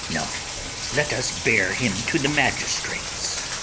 No; let us bear him to the magistrates.